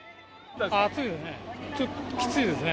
暑いですね。